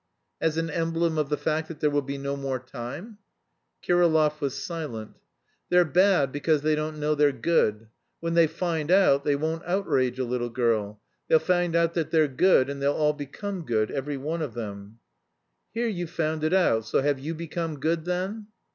"As an emblem of the fact that there will be no more time?" Kirillov was silent. "They're bad because they don't know they're good. When they find out, they won't outrage a little girl. They'll find out that they're good and they'll all become good, every one of them." "Here you've found it out, so have you become good then?"